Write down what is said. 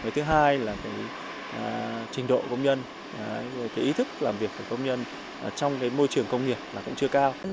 thứ hai là trình độ công nhân ý thức làm việc của công nhân trong môi trường công nghiệp cũng chưa cao